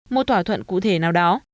một thỏa thuận cụ thể nào đó